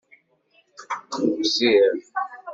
Ugziɣ